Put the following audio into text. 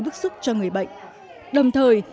bức xúc cho người bệnh đồng thời